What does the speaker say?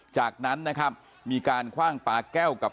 จากนั้นนะครับมีการคว่างปลาแก้วกับ